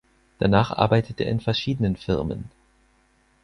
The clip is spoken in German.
Danach arbeitete er in verschiedenen Firmen.